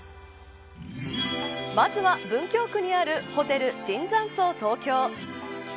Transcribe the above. まずは文京区にあるホテル椿山荘東京。